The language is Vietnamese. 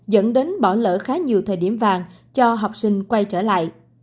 dẫn đến bỏ lỡ khá nhiều thời điểm vàng cho học sinh quay trở lại